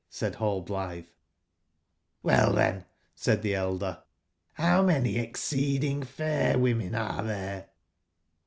said Rallblitbe j^ '^OIcll, tben/'said tbe el der, ''bow many exceeding fair women are tbere?"